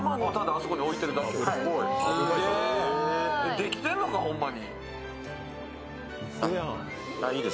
できてんのか、ホンマに？